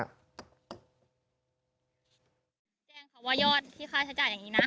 วัยอดที่ค้าจะจ่ายอย่างนี้นะ